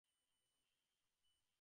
তোমার কী মনে হচ্ছে?